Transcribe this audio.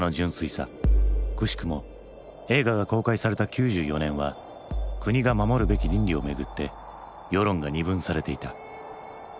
くしくも映画が公開された９４年は国が守るべき倫理をめぐって世論が二分されていた。